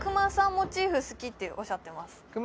モチーフ好きっておっしゃってます